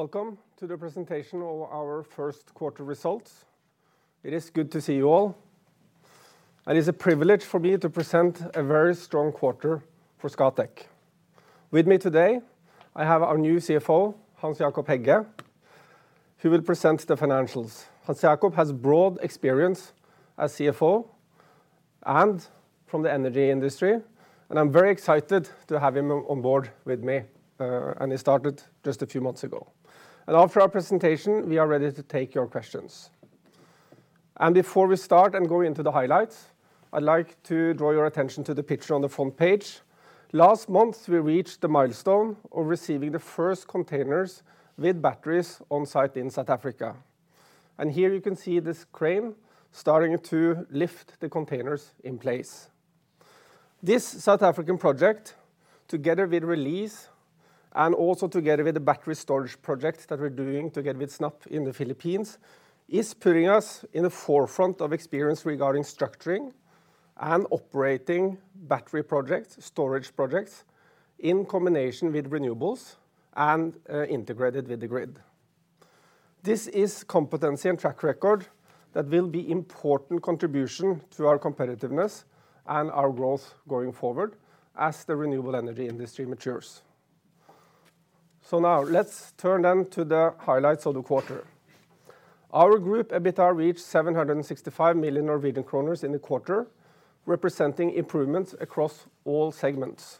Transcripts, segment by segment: Welcome to the presentation of our first quarter results. It is good to see you all, and it's a privilege for me to present a very strong quarter for Scatec. With me today, I have our new CFO, Hans Jakob Hegge, who will present the financials. Hans Jakob has broad experience as CFO and from the energy industry, and I'm very excited to have him on board with me. He started just a few months ago. After our presentation, we are ready to take your questions. Before we start and go into the highlights, I'd like to draw your attention to the picture on the front page. Last month, we reached the milestone of receiving the first containers with batteries on site in South Africa. Here you can see this crane starting to lift the containers in place. This South African project, together with Release and also together with the battery storage projects that we're doing together with SNAP in the Philippines, is putting us in the forefront of experience regarding structuring and operating battery projects, storage projects, in combination with renewables and integrated with the grid. This is competency and track record that will be important contribution to our competitiveness and our growth going forward as the renewable energy industry matures. Now let's turn to the highlights of the quarter. Our group EBITDA reached 765 million Norwegian kroner in the quarter, representing improvements across all segments.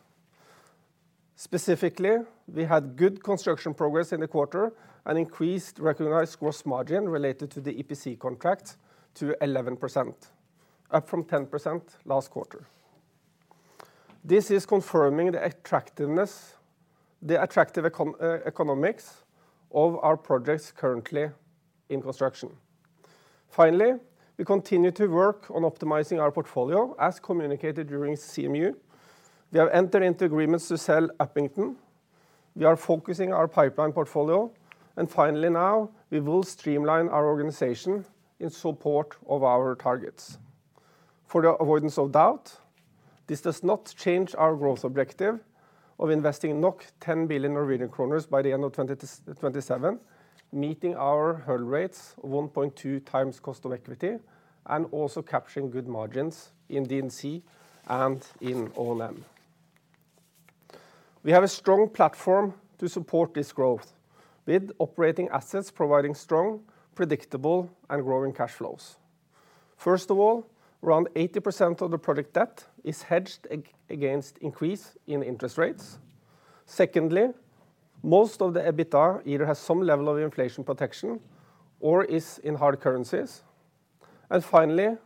Specifically, we had good construction progress in the quarter, an increased recognized gross margin related to the EPC contract to 11%, up from 10% last quarter. This is confirming the attractive economics of our projects currently in construction. Finally, we continue to work on optimizing our portfolio as communicated during CMU. We have entered into agreements to sell Upington. We are focusing our pipeline portfolio. Finally now, we will streamline our organization in support of our targets. For the avoidance of doubt, this does not change our growth objective of investing 10 billion Norwegian kroner by the end of 2027, meeting our hurdle rates 1.2 times cost of equity, and also capturing good margins in D&C and in O&M. We have a strong platform to support this growth, with operating assets providing strong, predictable and growing cash flows. First of all, around 80% of the project debt is hedged against increase in interest rates. Secondly, most of the EBITDA either has some level of inflation protection or is in hard currencies. Finally,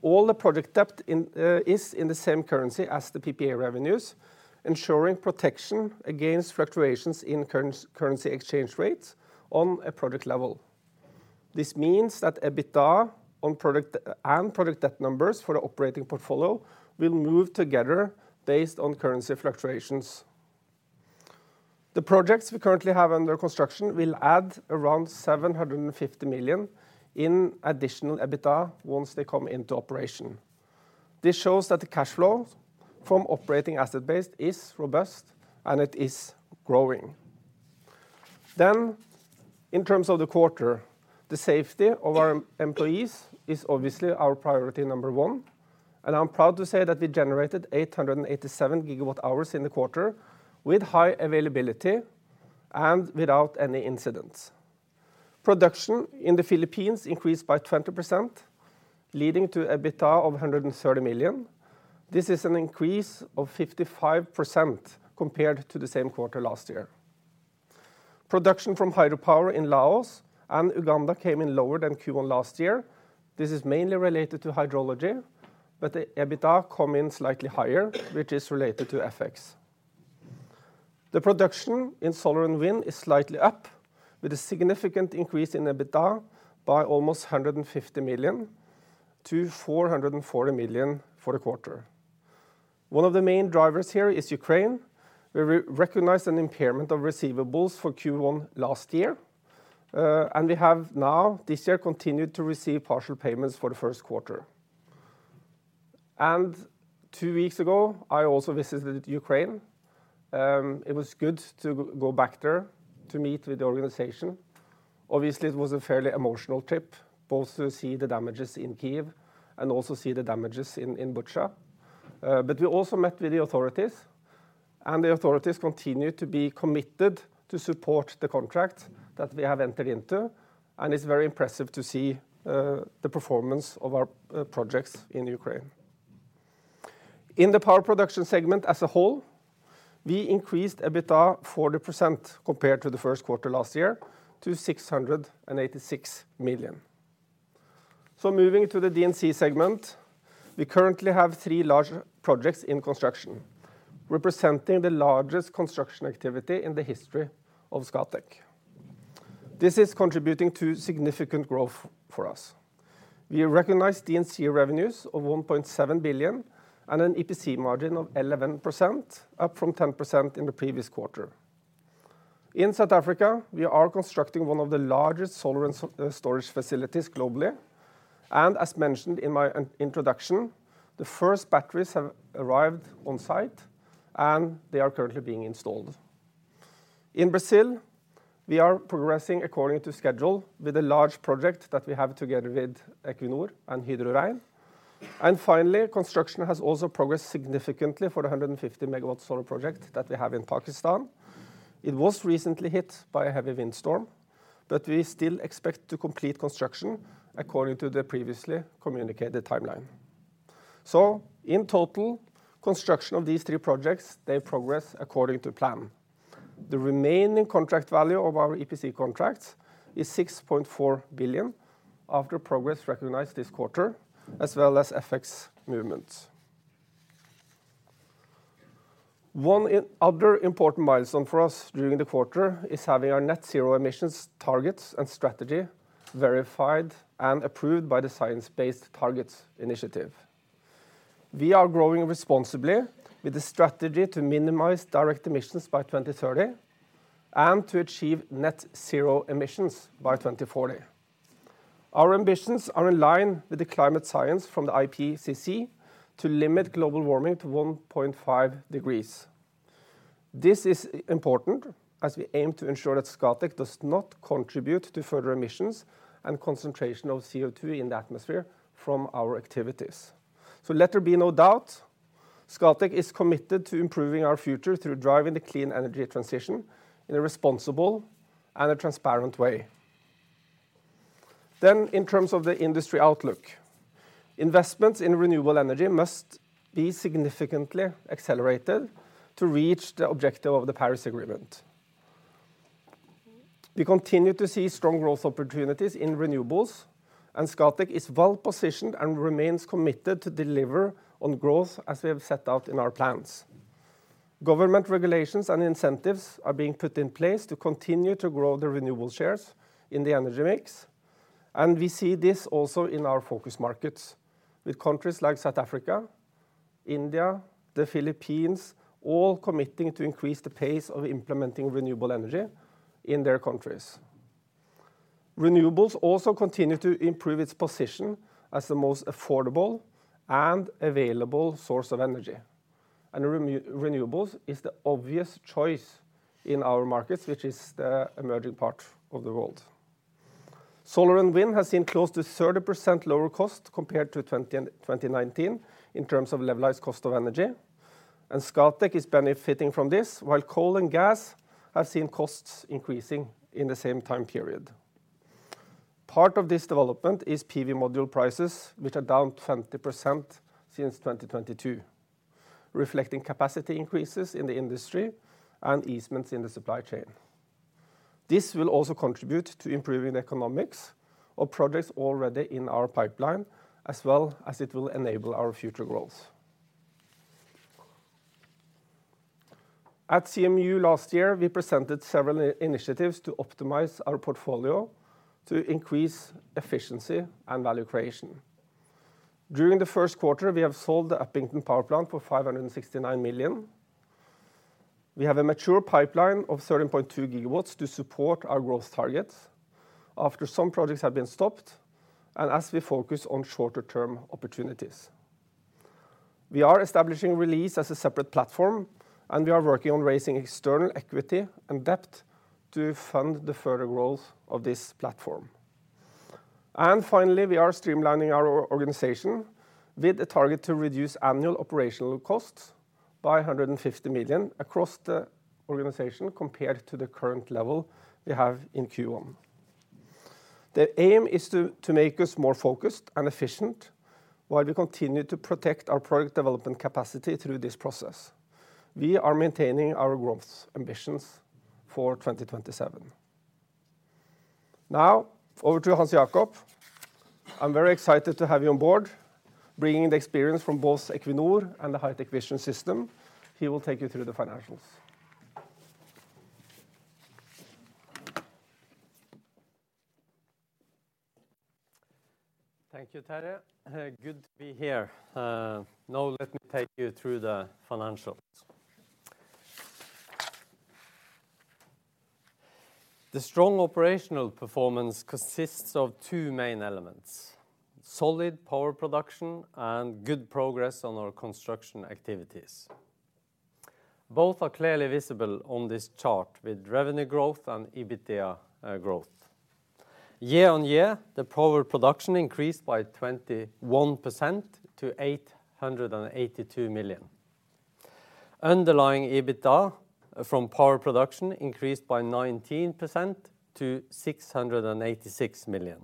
all the project debt is in the same currency as the PPA revenues, ensuring protection against fluctuations in currency exchange rates on a project level. This means that EBITDA on project and project debt numbers for the operating portfolio will move together based on currency fluctuations. The projects we currently have under construction will add around 750 million in additional EBITDA once they come into operation. This shows that the cash flow from operating asset base is robust and it is growing. In terms of the quarter, the safety of our employees is obviously our priority number one, and I'm proud to say that we generated 887 GW-h in the quarter with high availability and without any incidents. Production in the Philippines increased by 20%, leading to EBITDA of 130 million. This is an increase of 55% compared to the same quarter last year. Production from hydropower in Laos and Uganda came in lower than Q1 last year. This is mainly related to hydrology, but the EBITDA come in slightly higher, which is related to FX. The production in solar and wind is slightly up, with a significant increase in EBITDA by almost 150 million to 440 million for the quarter. One of the main drivers here is Ukraine. We re-recognized an impairment of receivables for Q1 last year, and we have now this year continued to receive partial payments for the first quarter. Two weeks ago, I also visited Ukraine. It was good to go back there to meet with the organization. It was a fairly emotional trip, both to see the damages in Kyiv and also see the damages in Bucha. We also met with the authorities, and the authorities continue to be committed to support the contract that we have entered into. It's very impressive to see the performance of our projects in Ukraine. In the power production segment as a whole, we increased EBITDA 40% compared to the first quarter last year to 686 million. Moving to the D&C segment, we currently have three large projects in construction, representing the largest construction activity in the history of Scatec. This is contributing to significant growth for us. We recognize D&C revenues of 1.7 billion and an EPC margin of 11%, up from 10% in the previous quarter. In South Africa, we are constructing one of the largest solar and storage facilities globally. As mentioned in my introduction, the first batteries have arrived on site, and they are currently being installed. In Brazil, we are progressing according to schedule with a large project that we have together with Equinor and Hydro Rein. Finally, construction has also progressed significantly for the 150 MW solar project that we have in Pakistan. It was recently hit by a heavy windstorm, but we still expect to complete construction according to the previously communicated timeline. In total, construction of these three projects, they progress according to plan. The remaining contract value of our EPC contracts is 6.4 billion after progress recognized this quarter, as well as FX movements. One other important milestone for us during the quarter is having our net zero emissions targets and strategy verified and approved by the Science Based Targets initiative. We are growing responsibly with the strategy to minimize direct emissions by 2030 and to achieve net zero emissions by 2040. Our ambitions are in line with the climate science from the IPCC to limit global warming to 1.5 degrees. This is important as we aim to ensure that Scatec does not contribute to further emissions and concentration of CO2 in the atmosphere from our activities. Let there be no doubt, Scatec is committed to improving our future through driving the clean energy transition in a responsible and a transparent way. In terms of the industry outlook, investments in renewable energy must be significantly accelerated to reach the objective of the Paris Agreement. We continue to see strong growth opportunities in renewables. Scatec is well positioned and remains committed to deliver on growth as we have set out in our plans. Government regulations and incentives are being put in place to continue to grow the renewable shares in the energy mix. We see this also in our focus markets with countries like South Africa, India, the Philippines, all committing to increase the pace of implementing renewable energy in their countries. Renewables also continue to improve its position as the most affordable and available source of energy. Re-renewables is the obvious choice in our markets, which is the emerging part of the world. Solar and wind has seen close to 30% lower cost compared to 2019 in terms of levelized cost of energy. Scatec is benefiting from this, while coal and gas have seen costs increasing in the same time period. Part of this development is PV module prices, which are down 20% since 2022, reflecting capacity increases in the industry and easements in the supply chain. This will also contribute to improving the economics of projects already in our pipeline as well as it will enable our future growth. At CMU last year, we presented several initiatives to optimize our portfolio to increase efficiency and value creation. During the first quarter, we have sold the Upington power plant for 569 million. We have a mature pipeline of 13.2 GW to support our growth targets after some projects have been stopped and as we focus on shorter-term opportunities. We are establishing Release as a separate platform, we are working on raising external equity and debt to fund the further growth of this platform. Finally, we are streamlining our organization with a target to reduce annual operational costs by 150 million across the organization compared to the current level we have in Q1. The aim is to make us more focused and efficient while we continue to protect our product development capacity through this process. We are maintaining our growth ambitions for 2027. Over to Hans Jakob. I'm very excited to have you on board, bringing the experience from both Equinor and HitecVision. He will take you through the financials. Thank you, Terje. Good to be here. Let me take you through the financials. The strong operational performance consists of two main elements: solid power production and good progress on our construction activities. Both are clearly visible on this chart with revenue growth and EBITDA growth. Year-on-year, the power production increased by 21% to 882 million. Underlying EBITDA from power production increased by 19% to 686 million.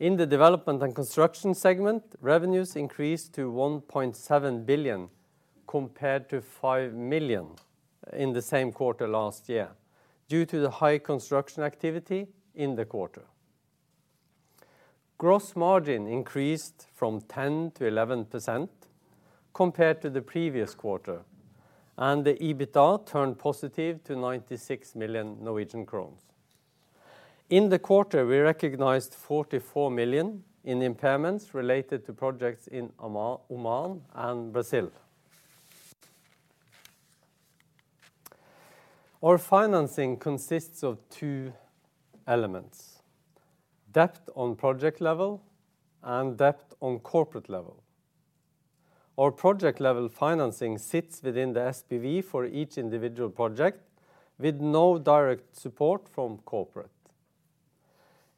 In the development and construction segment, revenues increased to 1.7 billion compared to 5 million in the same quarter last year due to the high construction activity in the quarter. Gross margin increased from 10%-11% compared to the previous quarter. The EBITDA turned positive to 96 million Norwegian crowns. In the quarter, we recognized 44 million in impairments related to projects in Oma-Oman and Brazil. Our financing consists of two elements: debt on project level and debt on corporate level. Our project-level financing sits within the SPV for each individual project, with no direct support from corporate.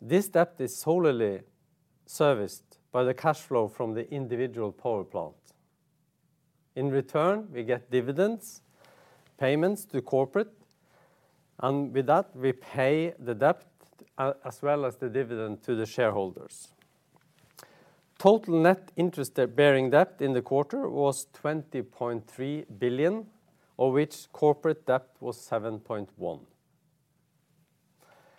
This debt is solely serviced by the cash flow from the individual power plant. In return, we get dividends, payments to corporate, and with that, we pay the debt as well as the dividend to the shareholders. Total net interest, the bearing debt in the quarter was 20.3 billion, of which corporate debt was 7.1 billion.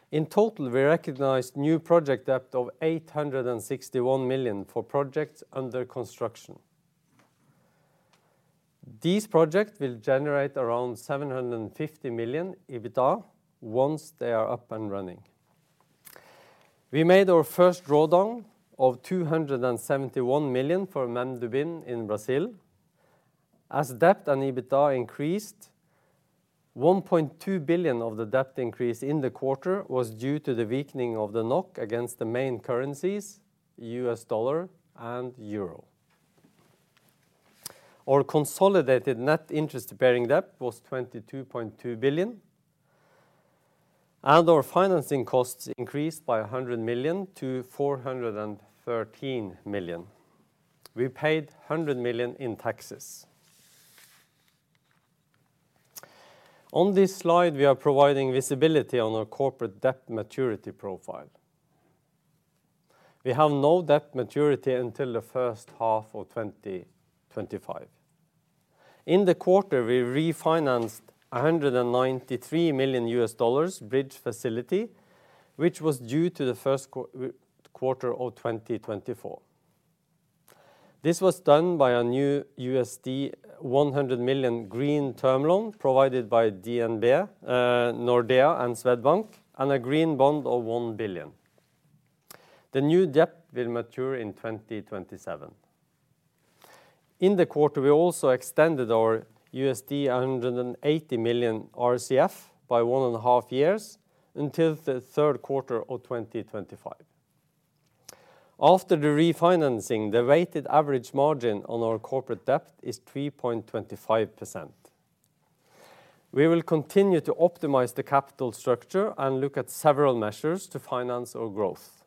In total, we recognized new project debt of 861 million for projects under construction. These projects will generate around 750 million EBITDA once they are up and running. We made our first drawdown of 271 million for Mendubim in Brazil. As debt and EBITDA increased, 1.2 billion of the debt increase in the quarter was due to the weakening of the NOK against the main currencies, US dollar and euro. Our consolidated net interest-bearing debt was 22.2 billion, and our financing costs increased by 100 million to 413 million. We paid 100 million in taxes. On this slide, we are providing visibility on our corporate debt maturity profile. We have no debt maturity until the first half of 2025. In the quarter, we refinanced a $193 million bridge facility, which was due to the first quarter of 2024. This was done by a new $100 million green term loan provided by DNB, Nordea and Swedbank, and a green bond of 1 billion NOK. The new debt will mature in 2027. In the quarter, we also extended our $180 million RCF by one and a half years until the third quarter of 2025. After the refinancing, the weighted average margin on our corporate debt is 3.25%. We will continue to optimize the capital structure and look at several measures to finance our growth.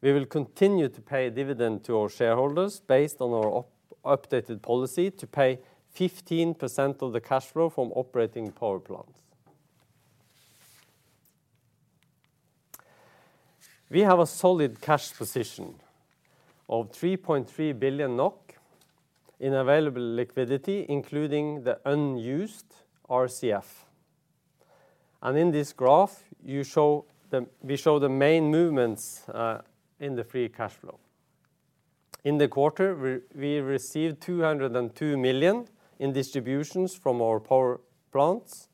We will continue to pay a dividend to our shareholders based on our updated policy to pay 15% of the cash flow from operating power plants. We have a solid cash position of 3.3 billion NOK in available liquidity, including the unused RCF. In this graph, you show, we show the main movements in the free cash flow. In the quarter, we received 202 million in distributions from our power plants.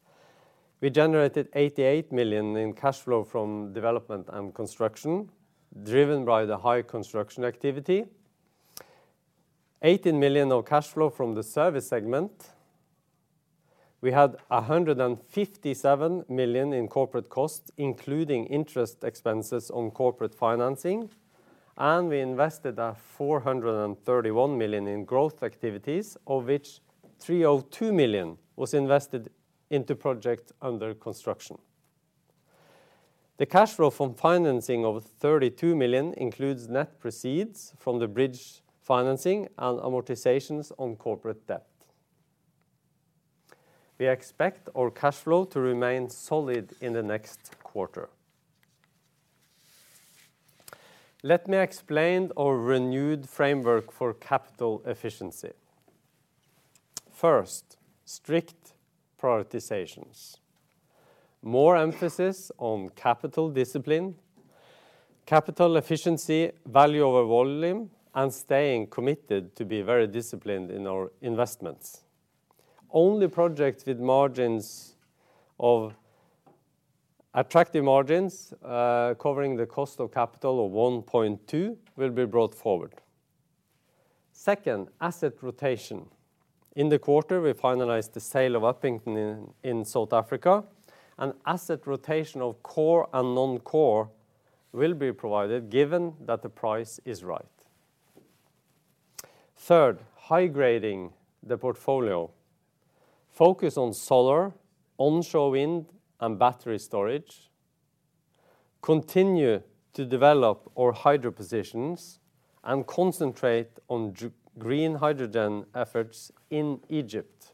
We generated 88 million in cash flow from development and construction, driven by the high construction activity. 18 million of cash flow from the service segment. We had 157 million in corporate costs, including interest expenses on corporate financing. We invested 431 million in growth activities, of which 302 million was invested into projects under construction. The cash flow from financing of 32 million includes net proceeds from the bridge financing and amortizations on corporate debt. We expect our cash flow to remain solid in the next quarter. Let me explain our renewed framework for capital efficiency. First, strict prioritizations. More emphasis on capital discipline, capital efficiency, value over volume, and staying committed to be very disciplined in our investments. Only projects with margins of attractive margins, covering the cost of capital of 1.2 will be brought forward. Second, asset rotation. In the quarter, we finalized the sale of Upington in South Africa. An asset rotation of core and non-core will be provided given that the price is right. Third, high-grading the portfolio. Focus on solar, onshore wind and battery storage. Continue to develop our hydro positions and concentrate on green hydrogen efforts in Egypt.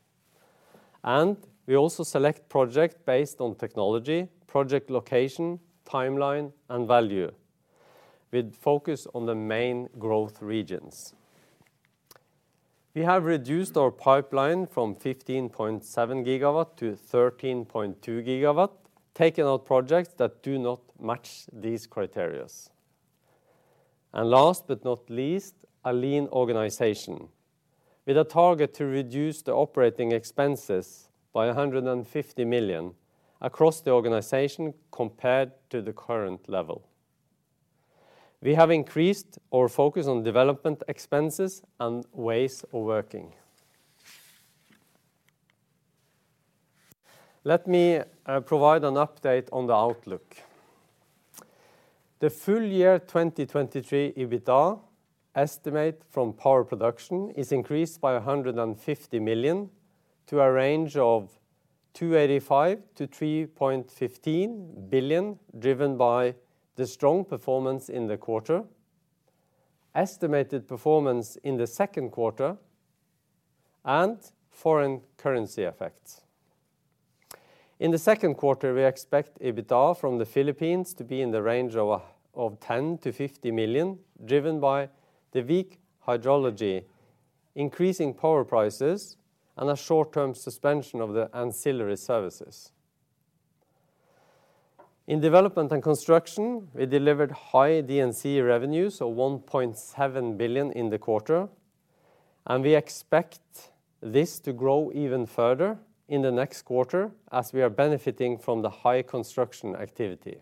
We also select project based on technology, project location, timeline and value with focus on the main growth regions. We have reduced our pipeline from 15.7 GW to 13.2 GW, taking out projects that do not match these criteria. Last but not least, a lean organization with a target to reduce the OpEx by 150 million across the organization compared to the current level. We have increased our focus on development expenses and ways of working. Let me provide an update on the outlook. The full year 2023 EBITDA estimate from power production is increased by 150 million to a range of 2.85 billion-3.15 billion, driven by the strong performance in the quarter, estimated performance in the second quarter, and foreign currency effects. In the second quarter, we expect EBITDA from the Philippines to be in the range of 10 million-50 million, driven by the weak hydrology, increasing power prices, and a short-term suspension of the ancillary services. In development and construction, we delivered high D&C revenues of 1.7 billion in the quarter. We expect this to grow even further in the next quarter as we are benefiting from the high construction activity.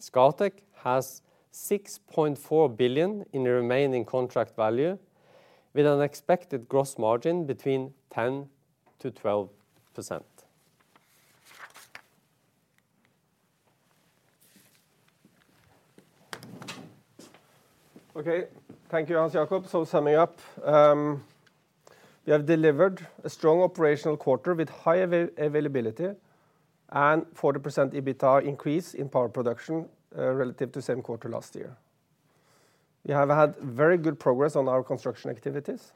Scatec has 6.4 billion in remaining contract value with an expected gross margin between 10%-12%. Thank you Hans Jacob. Summing up, we have delivered a strong operational quarter with high availability and 40% EBITDA increase in power production relative to same quarter last year. We have had very good progress on our construction activities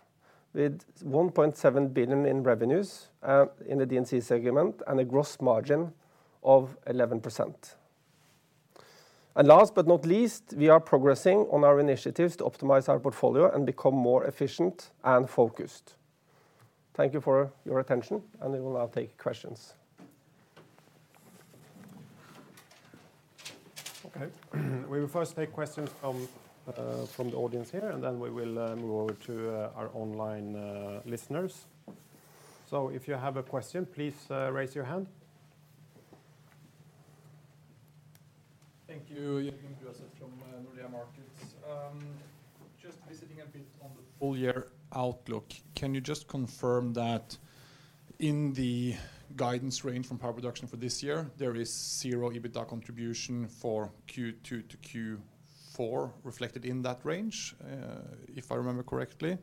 with 1.7 billion in revenues in the D&C segment and a gross margin of 11%. Last but not least, we are progressing on our initiatives to optimize our portfolio and become more efficient and focused. Thank you for your attention. We will now take questions. Okay. We will first take questions from the audience here, and then we will move over to our online listeners. If you have a question, please raise your hand. Thank you. Jorgen Bruaset from Nordea Markets. Just visiting a bit on the full year outlook, can you just confirm that in the guidance range from power production for this year, there is 0 EBITDA contribution for Q2 to Q4 reflected in that range, if I remember correctly?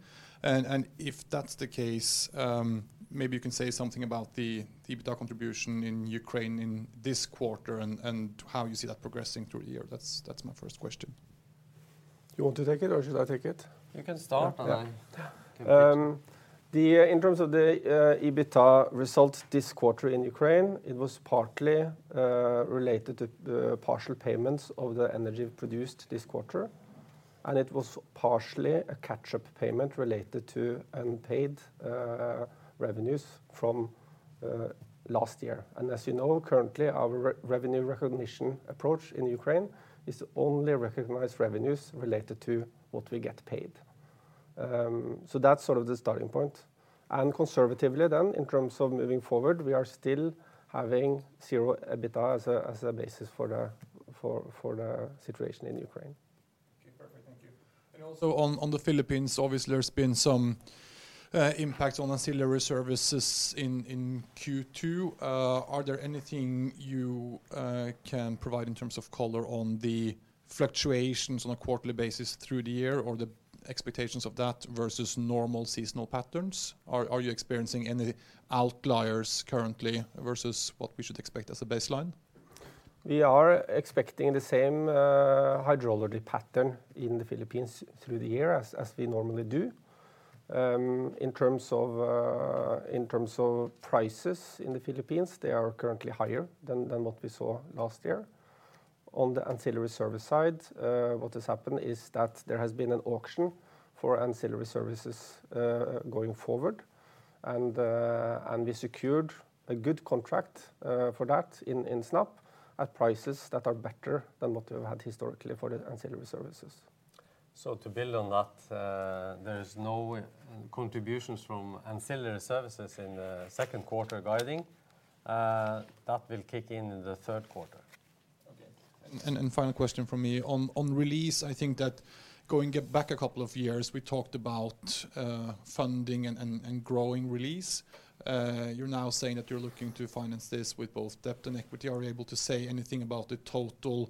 If that's the case, maybe you can say something about the EBITDA contribution in Ukraine in this quarter and how you see that progressing through the year. That's my first question. You want to take it or should I take it? You can start and I can pitch in. Yeah. In terms of the EBITDA results this quarter in Ukraine, it was partly related to the partial payments of the energy produced this quarter. It was partially a catch-up payment related to unpaid revenues from last year. As you know, currently our re-revenue recognition approach in Ukraine is to only recognize revenues related to what we get paid. That's sort of the starting point. Conservatively, in terms of moving forward, we are still having zero EBITDA as a basis for the situation in Ukraine. Okay. Perfect. Thank you. Also on the Philippines, obviously there's been some impact on ancillary services in Q2. Are there anything you can provide in terms of color on the fluctuations on a quarterly basis through the year or the expectations of that versus normal seasonal patterns? Are you experiencing any outliers currently versus what we should expect as a baseline? We are expecting the same hydrology pattern in the Philippines through the year as we normally do. In terms of prices in the Philippines, they are currently higher than what we saw last year. On the ancillary service side, what has happened is that there has been an auction for ancillary services going forward. We secured a good contract for that in SNAP at prices that are better than what we've had historically for the ancillary services. To build on that, there is no contributions from ancillary services in the second quarter guiding, that will kick in in the third quarter. Okay. Final question from me. On Release, I think that going back a couple of years, we talked about funding and growing Release. You're now saying that you're looking to finance this with both debt and equity. Are you able to say anything about the total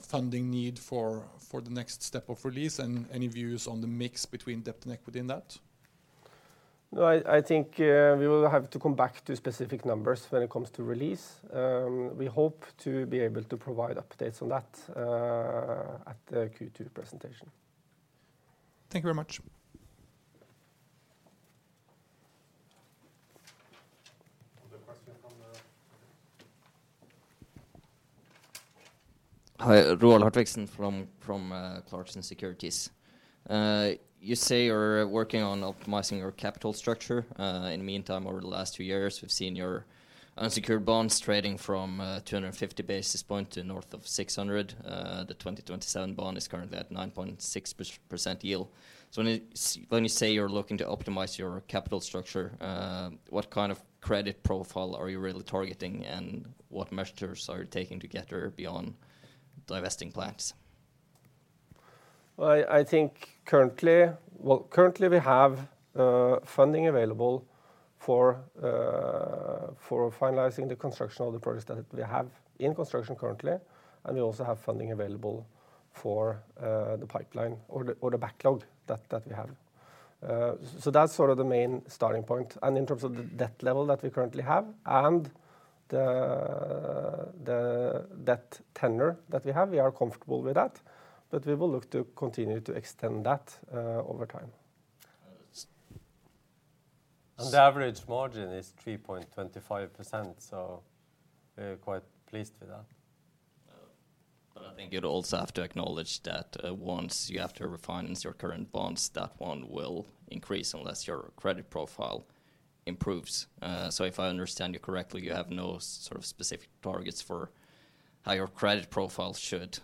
funding need for the next step of Release? Any views on the mix between debt and equity in that? No, I think, we will have to come back to specific numbers when it comes to Release. We hope to be able to provide updates on that at the Q2 presentation. Thank you very much. Other question from the audience? Hi. Roald Hartvigsen from Clarksons Securities. You say you're working on optimizing your capital structure. In the meantime, over the last two years, we've seen your unsecured bonds trading from 250 basis points to north of 600. The 2027 bond is currently at 9.6% yield. When you say you're looking to optimize your capital structure, what kind of credit profile are you really targeting, and what measures are you taking to get there beyond divesting plans? Well, I think currently. Well, currently we have funding available for finalizing the construction of the projects that we have in construction currently, and we also have funding available for the pipeline or the backlog that we have. That's sort of the main starting point. In terms of the debt level that we currently have and the debt tenure that we have, we are comfortable with that, but we will look to continue to extend that over time. The average margin is 3.25%, so we're quite pleased with that. I think you'd also have to acknowledge that, once you have to refinance your current bonds, that one will increase unless your credit profile improves. If I understand you correctly, you have no sort of specific targets for how your credit profile should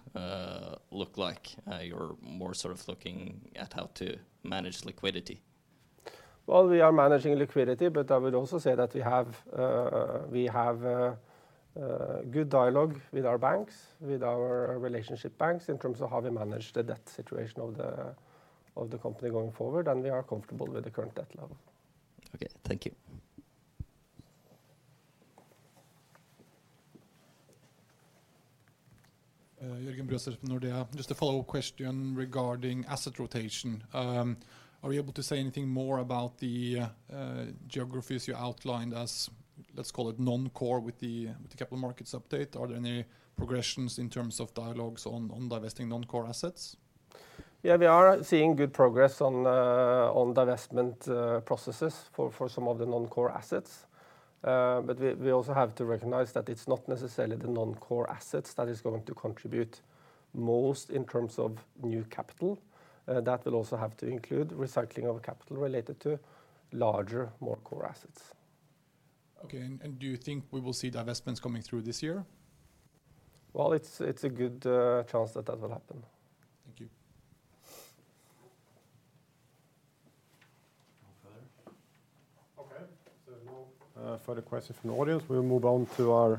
look like. You're more sort of looking at how to manage liquidity. We are managing liquidity, but I would also say that we have a good dialogue with our banks, with our relationship banks in terms of how we manage the debt situation of the company going forward, and we are comfortable with the current debt level. Okay. Thank you. Andreas Nygard, Nordea. Just a follow-up question regarding asset rotation. Are you able to say anything more about the geographies you outlined as, let's call it non-core with the Capital Markets Update? Are there any progressions in terms of dialogues on divesting non-core assets? We are seeing good progress on divestment processes for some of the non-core assets. We also have to recognize that it's not necessarily the non-core assets that is going to contribute most in terms of new capital. That will also have to include recycling of capital related to larger, more core assets. Okay. Do you think we will see divestments coming through this year? Well, it's a good chance that that will happen. Thank you. No further. Okay. No further questions from the audience. We'll move on to our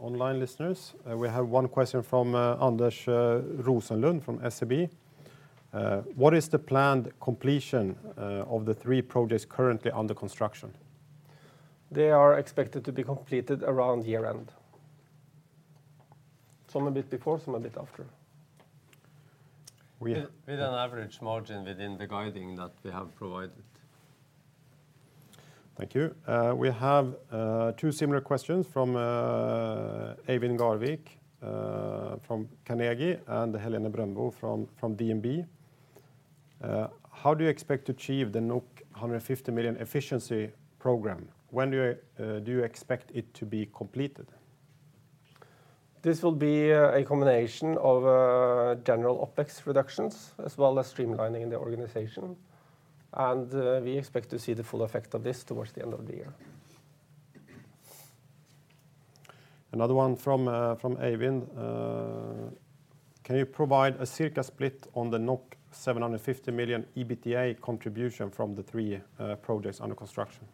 online listeners. We have one question from Anders Rosenlund from SEB. What is the planned completion of the three projects currently under construction? They are expected to be completed around year-end. Some a bit before, some a bit after. With an average margin within the guiding that we have provided. Thank you. We have two similar questions from Eivind Garvik from Carnegie and Helene Brønmo from DNB. How do you expect to achieve the 150 million efficiency program? When do you expect it to be completed? This will be a combination of general OpEx reductions as well as streamlining the organization. We expect to see the full effect of this towards the end of the year. Another one from Eivind. Can you provide a circa split on the 750 million EBITDA contribution from the three projects under construction?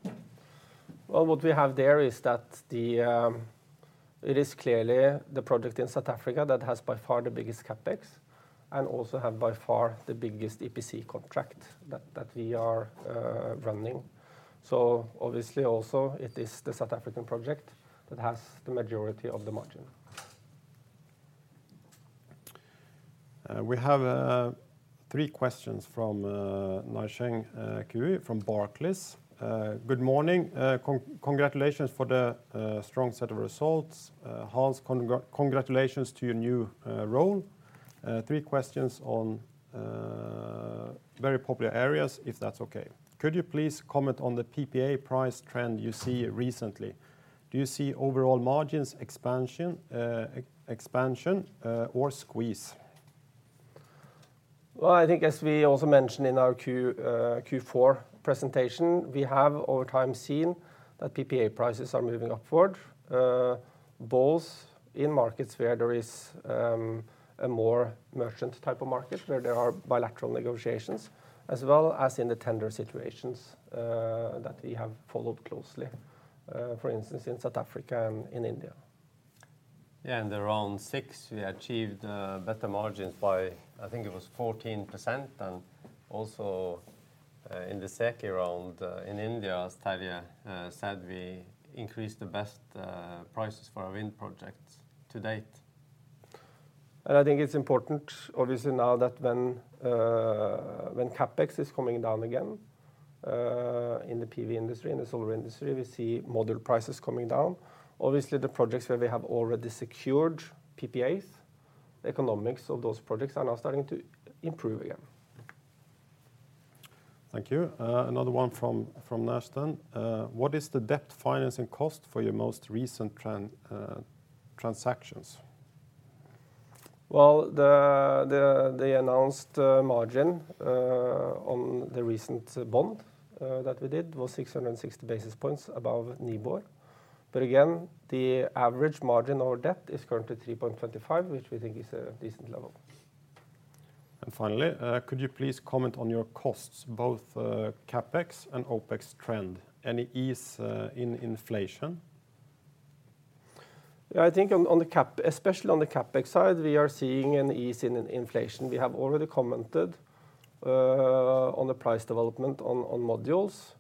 It is clearly the project in South Africa that has by far the biggest CapEx and also have by far the biggest EPC contract that we are running. Obviously also it is the South African project that has the majority of the margin. We have three questions from Nai Sheng Cui from Barclays. Good morning. Congratulations for the strong set of results. Hans, congratulations to your new role. Three questions on very popular areas, if that's okay? Could you please comment on the PPA price trend you see recently? Do you see overall margins expansion or squeeze? I think as we also mentioned in our Q4 presentation, we have over time seen that PPA prices are moving upward, both in markets where there is a more merchant type of market, where there are bilateral negotiations, as well as in the tender situations that we have followed closely, for instance, in South Africa and in India. In the round six we achieved better margins by, I think it was 14%, and also, in the second round, in India, as Terje said, we increased the best prices for our wind projects to date. I think it's important obviously now that when CapEx is coming down again in the PV industry and the solar industry, we see module prices coming down. Obviously the projects where we have already secured PPAs, the economics of those projects are now starting to improve again. Thank you. Another one from Nai Sheng. What is the debt financing cost for your most recent transactions? Well, the announced margin on the recent bond that we did was 660 basis points above NIBOR. Again, the average margin on our debt is currently 3.25, which we think is a decent level. Finally, could you please comment on your costs, both, CapEx and OpEx trend? Any ease in inflation? I think on the CapEx side, we are seeing an ease in inflation. We have already commented on the price development on modules.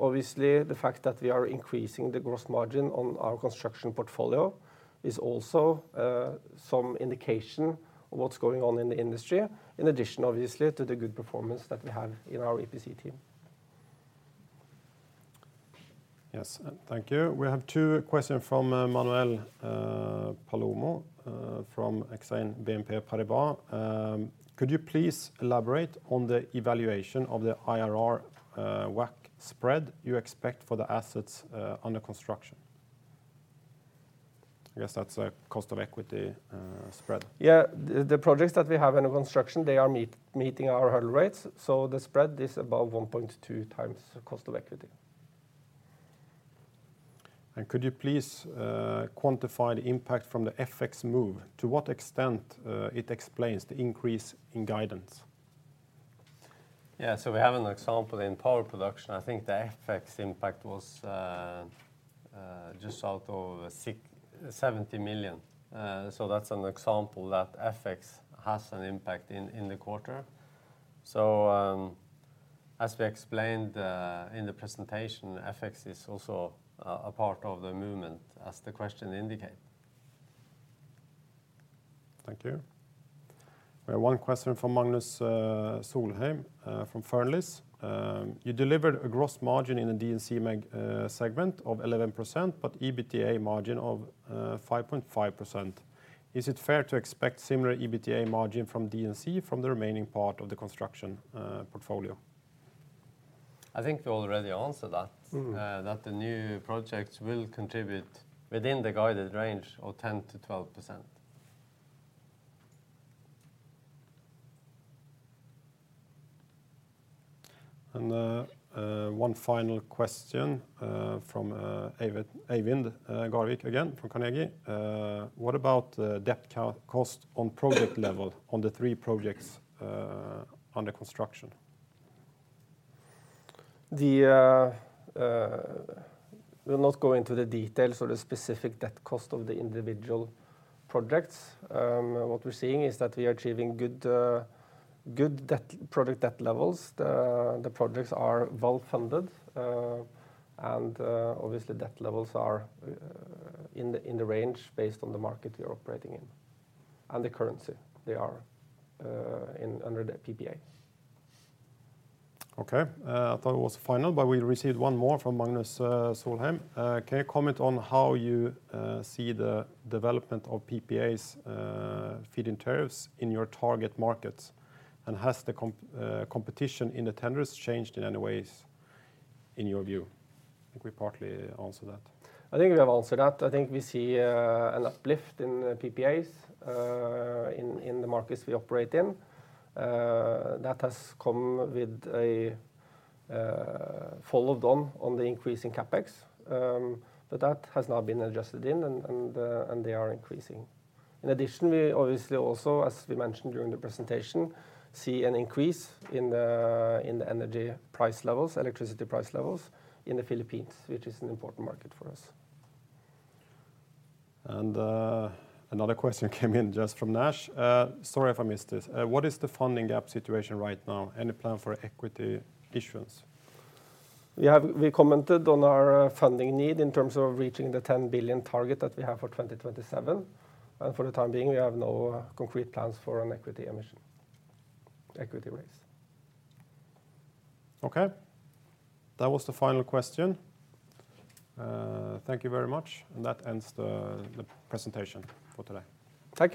Obviously, the fact that we are increasing the gross margin on our construction portfolio is also some indication of what's going on in the industry, in addition obviously to the good performance that we have in our EPC team. Yes. Thank you. We have two questions from Manuel Palomo from AXA Investment Managers. Could you please elaborate on the evaluation of the IRR WACC spread you expect for the assets under construction? I guess that's a cost of equity spread. Yeah. The projects that we have under construction, they are meeting our hurdle rates, so the spread is above 1.2 times the cost of equity. Could you please quantify the impact from the FX move? To what extent it explains the increase in guidance? We have an example in power production. I think the FX impact was just out of 70 million. That's an example that FX has an impact in the quarter. As we explained in the presentation, FX is also a part of the movement as the question indicate. Thank you. We have one question from Magnus Solheim from Fearnley. You delivered a gross margin in the D&C segment of 11%, but EBITDA margin of 5.5%. Is it fair to expect similar EBITDA margin from D&C from the remaining part of the construction portfolio? I think we already answered that. Mm That the new projects will contribute within the guided range of 10%-12%. One final question from Eivind Garvik again from Carnegie. What about the debt co-cost on project level on the three projects under construction? We'll not go into the details or the specific debt cost of the individual projects. What we're seeing is that we are achieving good debt, project debt levels. The projects are well-funded, and obviously debt levels are in the range based on the market we are operating in and the currency they are in under the PPA. Okay. I thought it was final, but we received one more from Magnus Solheim. Can you comment on how you see the development of PPAs', feed-in tariffs in your target markets? Has the competition in the tenders changed in any ways in your view? I think we partly answered that. I think we have answered that. I think we see an uplift in PPAs in the markets we operate in. That has come with a follow done on the increase in CapEx. That has now been adjusted in and they are increasing. In addition, we obviously also, as we mentioned during the presentation, see an increase in the energy price levels, electricity price levels in the Philippines, which is an important market for us. Another question came in just from Nash. Sorry if I missed this. What is the funding gap situation right now? Any plan for equity issuance? We commented on our funding need in terms of reaching the 10 billion target that we have for 2027. For the time being, we have no concrete plans for an equity emission, equity raise. Okay. That was the final question. Thank you very much. That ends the presentation for today. Thank you.